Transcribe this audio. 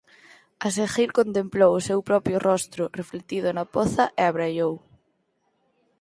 A seguir contemplou o seu propio rostro reflectido na poza, e abraiou.